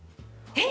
えっ！